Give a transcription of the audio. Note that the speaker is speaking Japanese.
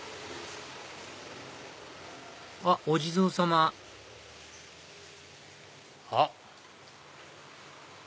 あっお地蔵様あっ！